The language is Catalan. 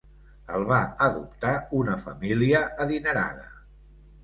El va adoptar una família adinerada.